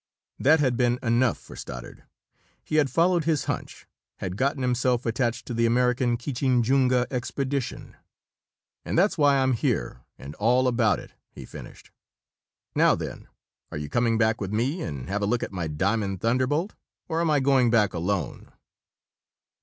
That had been enough for Stoddard. He had followed his hunch, had got himself attached to the American Kinchinjunga expedition "And that's why I'm here, and all about it," he finished. "Now, then, are you coming back with me and have a look at my Diamond Thunderbolt, or am I going back alone?"